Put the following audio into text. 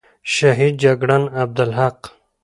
شهید جگړن عبدالحق،